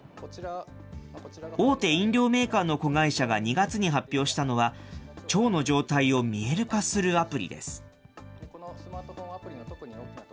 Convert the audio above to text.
大手飲料メーカーの子会社が２月に発表したのは、腸の状態を見える化するアプリです。